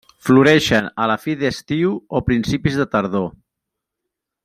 Floreixen a la fi d'estiu o principis de tardor.